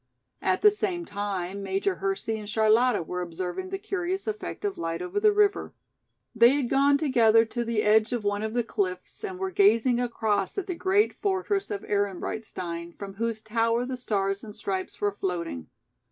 At the same time Major Hersey and Charlotta were observing the curious effect of light over the river. They had gone together to the edge of one of the cliffs and were gazing across at the great fortress of Ehrenbreitstein from whose tower the stars and stripes were floating.